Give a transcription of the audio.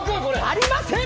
なりません！